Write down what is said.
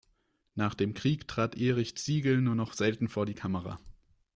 Nach dem Krieg trat Erich Ziegel nur noch selten vor die Kamera.